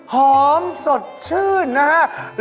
หอมสดชื่นนะครับ